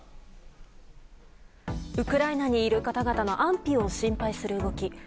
ウクライナにいる方々の安否を心配する動き。